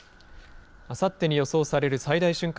あさってに予想される最大瞬間